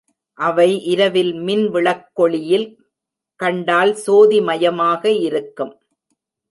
அவை இரவில் மின்விளக் கொளியில் கண்டால் சோதி மயமாக இருக்கும்.